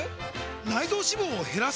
内臓脂肪を減らす！？